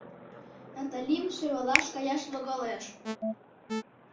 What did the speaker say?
Наталим сӧрвалаш каяш логалеш.